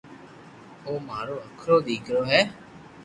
او مارو ھکرو ديڪرو ھي